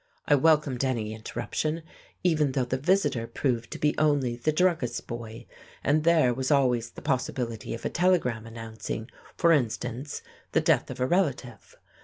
I welcomed any interruption, even though the visitor proved to be only the druggist's boy; and there was always the possibility of a telegram announcing, for instance, the death of a relative.